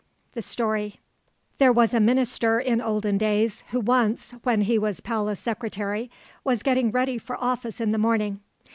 ] The Story There was a minister in olden days who once, when he was Palace Secretary, was getting ready for office in the morning.